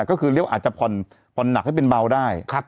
ก็คือเรียกว่าอาจจะผ่อนหนักให้เป็นเบาได้